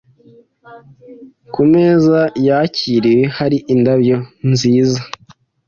Ku meza yakiriwe hari indabyo nziza.